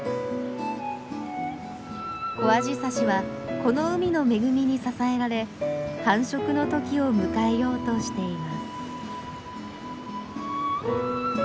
コアジサシはこの海の恵みに支えられ繁殖の時を迎えようとしています。